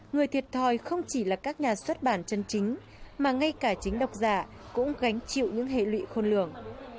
người thiệt thòi không chỉ là các nhà xuất bản chân chính mà ngay cả chính đọc giả cũng gánh chịu những hệ lụy khôn lường